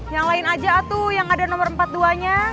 yang lain aja atu yang ada nomor empat puluh dua nya